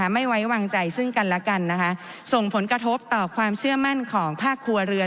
ไม่ไว้วางใจซึ่งกันและกันนะคะส่งผลกระทบต่อความเชื่อมั่นของภาคครัวเรือน